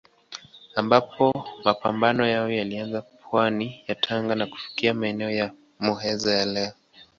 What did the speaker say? Ambapo mapambano yao yalianza pwani ya Tanga na kufika maeneo ya Muheza ya leo.